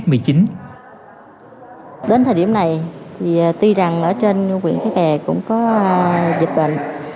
đến thời điểm này thì tuy rằng ở trên quyền khái bè cũng có dịch bệnh